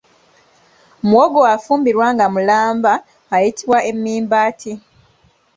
Muwogo afumbibwa nga mulamba ayitibwa emimbati.